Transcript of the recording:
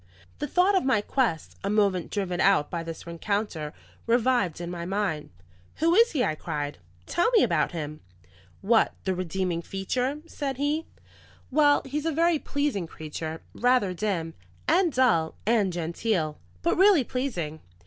The thought of my quest, a moment driven out by this rencounter, revived in my mind. "Who is he?" I cried. "Tell me about him." "What, the Redeeming Feature?" said he. "Well, he's a very pleasing creature, rather dim, and dull, and genteel, but really pleasing.